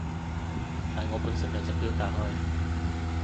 但我本身有隻錶戴開